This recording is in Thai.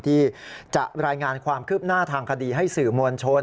ที่จะรายงานความคืบหน้าทางคดีให้สื่อมวลชน